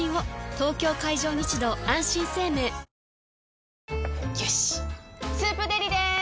東京海上日動あんしん生命よし「スープＤＥＬＩ」でーす！